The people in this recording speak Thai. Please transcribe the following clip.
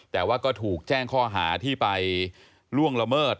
แต่ว่าก็ถูกแจ้งข้อหาที่ไปล่วงละเมิด